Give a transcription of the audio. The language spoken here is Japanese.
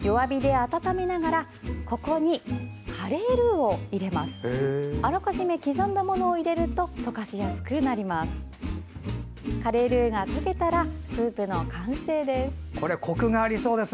あらかじめ刻んだものを入れると溶かしやすくなります。